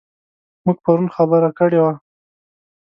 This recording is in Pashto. موږ پرون خبره کړې وه.